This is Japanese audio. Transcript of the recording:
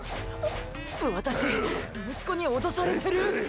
私、息子に脅されてる？